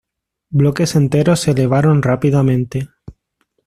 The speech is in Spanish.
Bloques enteros se elevaron rápidamente.